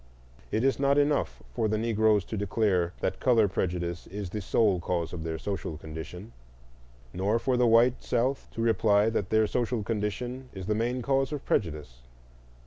It is not enough for the Negroes to declare that color prejudice is the sole cause of their social condition, nor for the white South to reply that their social condition is the main cause of prejudice.